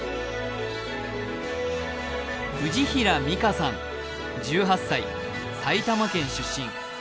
藤平美香さん１８歳埼玉県出身。